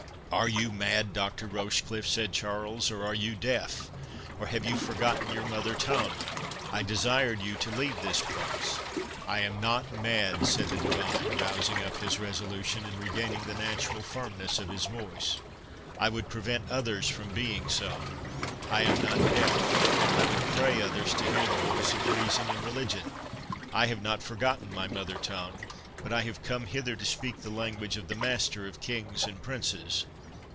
"Are you mad, Doctor Rochecliffe?" said Charles—"or are you deaf?—or have you forgotten your mother tongue? I desired you to leave this place." "I am not mad," said the divine, rousing up his resolution, and regaining the natural firmness of his voice—"I would prevent others from being so; I am not deaf—I would pray others to hear the voice of reason and religion; I have not forgotten my mother tongue—but I have come hither to speak the language of the Master of kings and princes."